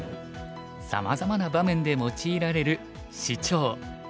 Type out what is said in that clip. さまざまな場面で用いられるシチョウ。